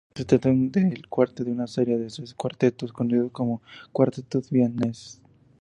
Se trata del cuarto de una serie de seis cuartetos, conocidos como "Cuartetos vieneses".